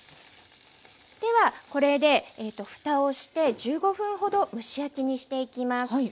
ではこれでふたをして１５分ほど蒸し焼きにしていきます。